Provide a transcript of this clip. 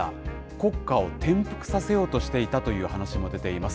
国家を転覆させようとしていたという話も出ています。